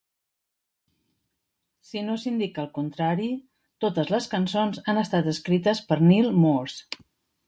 Si no s'indica el contrari, totes les cançons han estat escrites per Neal Morse.